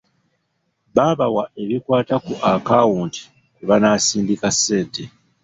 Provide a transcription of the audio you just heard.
Baabawa ebikwata ku akawuti kwe banaasindika ssente.